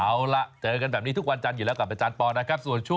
เอาล่ะเจอกันแบบนี้ทุกวันจันทร์อยู่แล้วกับอาจารย์ปอลนะครับ